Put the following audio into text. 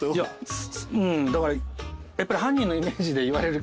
うんだからやっぱり。